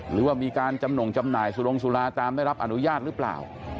หรือว่ามีการจำหน่งจำหน่ายสุรงสุราตามได้รับอนุญาตหรือเปล่า